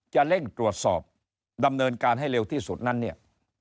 จะเร่งตรวจสอบดำเนินการให้เร็วที่สุดนั้นเนี่ย